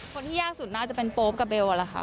คนที่ยากสุดน่าจะเป็นโป๊ปกับเบลอะแหละค่ะ